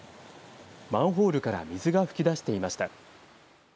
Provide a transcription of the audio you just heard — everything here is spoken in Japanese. マンホールから水が噴き出していました。